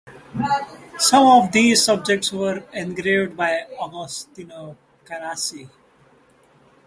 Some of these subjects were engraved by Agostino Carracci.